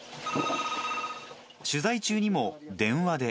取材中にも電話で。